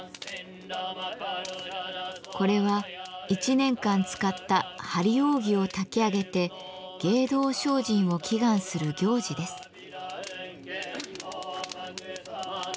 これは１年間使った「張り扇」を炊き上げて芸道精進を祈願する行事です。